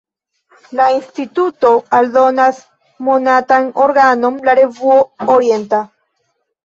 La instituto eldonas monatan organon "La Revuo Orienta".